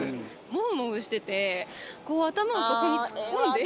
もふもふしてて頭をそこに突っ込んで。